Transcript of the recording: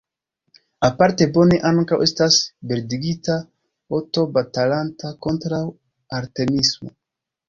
Aparte bone ankaŭ estas bildigita "Oto batalanta kontraŭ Artemiso".